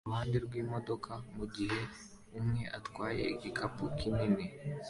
iruhande rwimodoka mugihe umwe atwaye igikapu kinini